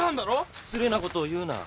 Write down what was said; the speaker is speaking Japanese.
失礼なことを言うな。